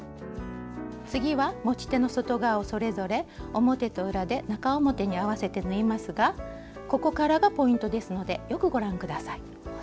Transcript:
次は持ち手の外側をそれぞれ表と裏で中表に合わせて縫いますがここからがポイントですのでよくご覧下さい。